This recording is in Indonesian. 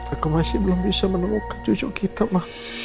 aku masih belum bisa menemukan cucu kita mah